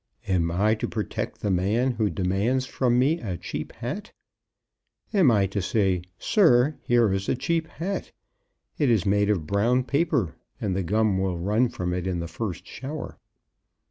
Am I to protect the man who demands from me a cheap hat? Am I to say, 'Sir, here is a cheap hat. It is made of brown paper, and the gum will run from it in the first shower.